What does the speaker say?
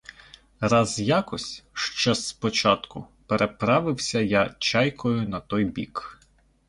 Раз якось, ще спочатку, переправився я чайкою на той бік.